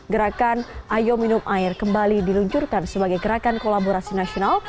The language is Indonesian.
gerakan ayo minum air kembali diluncurkan sebagai gerakan kolaborasi nasional